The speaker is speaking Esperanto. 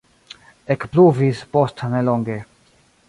Ekpluvis post nelonge.